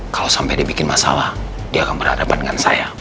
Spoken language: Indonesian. kalau sampai dia bikin masalah dia akan berhadapan dengan saya